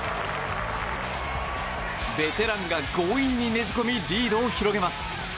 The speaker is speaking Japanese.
ベテランが強引にねじ込みリードを広げます。